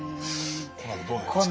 このあとどうなりますかね。